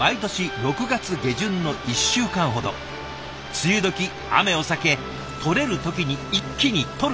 梅雨時雨を避け採れる時に一気に採る！